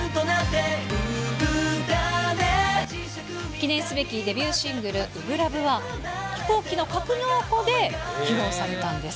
記念すべきデビューシングル、初心ＬＯＶＥは、飛行機の格納庫で披露されたんです。